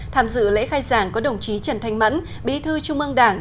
tham dự lễ khai giảng có đồng chí trần thanh mẫn bí thư trung ương đảng